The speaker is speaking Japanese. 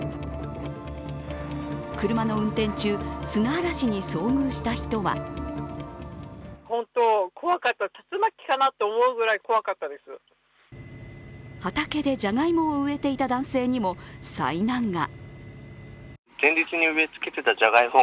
車の運転中、砂嵐に遭遇した人は畑でじゃがいもを植えていた男性にも災難が。